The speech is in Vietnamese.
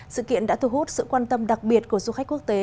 sự kiện đã thu hút sự quan tâm đặc biệt của du khách quốc tế